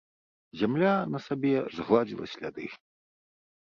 Зямля на сабе згладзіла сляды.